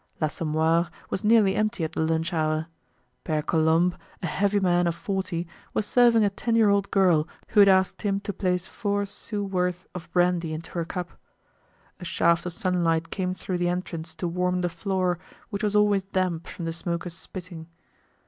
L'Assommoir was nearly empty at the lunch hour. Pere Colombe, a heavy man of forty, was serving a ten year old girl who had asked him to place four sous' worth of brandy into her cup. A shaft of sunlight came through the entrance to warm the floor which was always damp from the smokers' spitting.